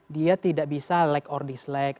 dia tidak bisa like or dislike